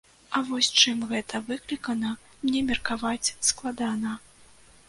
А вось чым гэта выклікана, мне меркаваць складана.